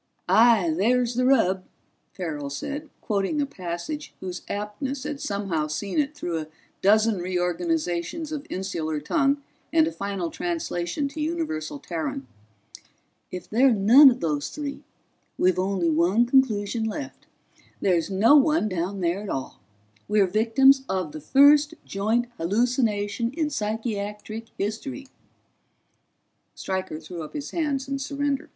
"Aye, there's the rub," Farrell said, quoting a passage whose aptness had somehow seen it through a dozen reorganizations of insular tongue and a final translation to universal Terran. "If they're none of those three, we've only one conclusion left. There's no one down there at all we're victims of the first joint hallucination in psychiatric history." Stryker threw up his hands in surrender.